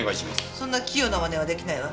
そんな器用な真似はできないわ。